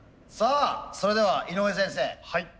さあそれでは井上先生。